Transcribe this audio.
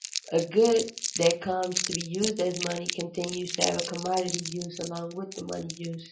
_A good that comes to be used as money continues to have a commodity use along with the money use.